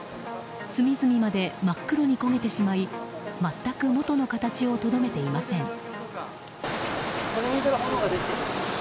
隅々まで真っ黒に焦げてしまい全くもとの形をとどめていません。